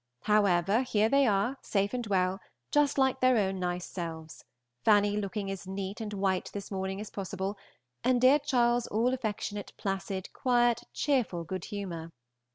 However, here they are, safe and well, just like their own nice selves, Fanny looking as neat and white this morning as possible, and dear Charles all affectionate, placid, quiet, cheerful good humor.